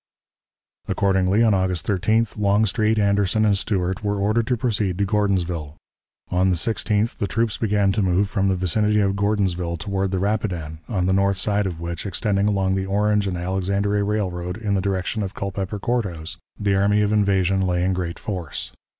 Accordingly, on August 13th, Longstreet, Anderson, and Stuart were ordered to proceed to Gordonsville. On the 16th the troops began to move from the vicinity of Gordonsville toward the Rapidan, on the north side of which, extending along the Orange and Alexandria Railroad in the direction of Culpeper Court House, the army of invasion lay in great force.